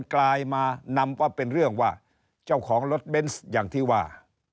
กลายมานำว่าเป็นเรื่องว่าเจ้าของรถเบนส์อย่างที่ว่า